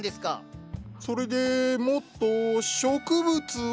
それでもっと植物を。